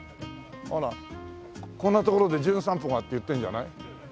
「あらこんな所で『じゅん散歩』が」って言ってるんじゃない？